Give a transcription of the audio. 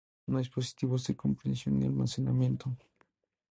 No hay dispositivos de compresión ni almacenamiento.